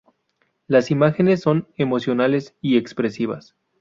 Las imágenes son emocionales y expresivas.